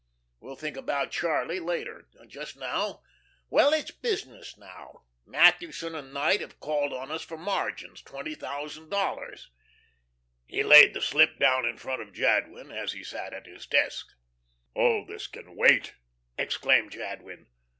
We'll think about Charlie, later. Just now ... well it's business now. Mathewson & Knight have called on us for margins twenty thousand dollars." He laid the slip down in front of Jadwin, as he sat at his desk. "Oh, this can wait?" exclaimed Jadwin.